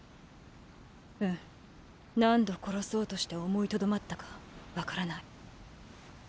うん何度殺そうとして思いとどまったかわからない。